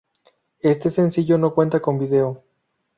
Este sencillo no cuenta con video.